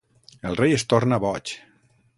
El rei es torna boig.